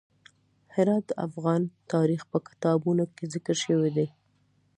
هرات د افغان تاریخ په کتابونو کې ذکر شوی دي.